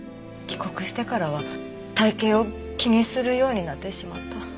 帰国してからは体形を気にするようになってしまった。